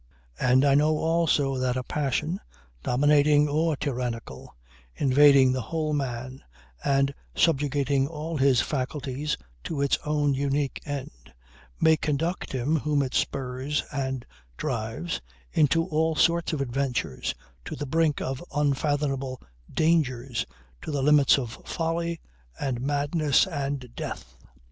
And I know also that a passion, dominating or tyrannical, invading the whole man and subjugating all his faculties to its own unique end, may conduct him whom it spurs and drives, into all sorts of adventures, to the brink of unfathomable dangers, to the limits of folly, and madness, and death.